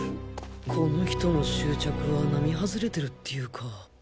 この人の執着は並外れてるっていうか